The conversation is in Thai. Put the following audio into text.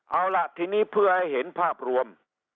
เอาล่ะทีนี้เพื่อให้เห็นภาพรวม